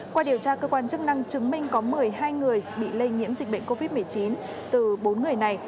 qua điều tra cơ quan chức năng chứng minh có một mươi hai người bị lây nhiễm dịch bệnh covid một mươi chín từ bốn người này